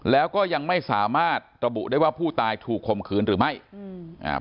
แล้วก็ยังไม่สามารถระบุได้ว่าผู้ตายถูกคมคืนหรือไม่อืมอ่า